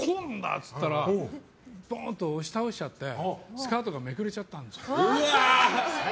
って言ったらドーンと押し倒しちゃってスカートがめくれちゃったんです。